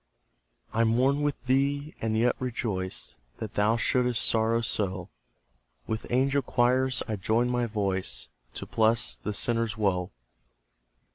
I mourn with thee, and yet rejoice That thou shouldst sorrow so; With angel choirs I join my voice To bless the sinner's woe.